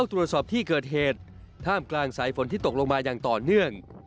ตรวจสอบที่เกิดเหตุท่ามกลางสายฝนที่ตกลงมาอย่างต่อเนื่อง